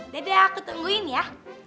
dada aku tungguin ya